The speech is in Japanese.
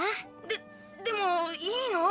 ででもいいの？